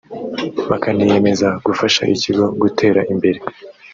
bakaniyemeza gufasha ikigo gutera imbere